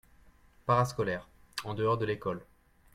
Parascolaire : En dehors de l'école.